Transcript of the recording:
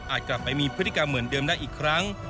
กลับไปมีพฤติกรรมเหมือนเดิมได้อีกครั้ง